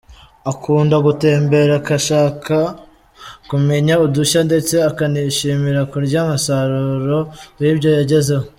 Akunda gutembera ashakashaka kumenya udushya ndetse akanishimira kurya umusaruro w’ibyo yagezeho.